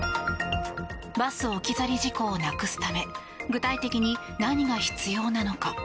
バス置き去り事故をなくすため具体的に何が必要なのか。